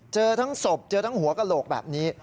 เจอทั้งศพเจอทั้งหัวกระโหลกแบบนี้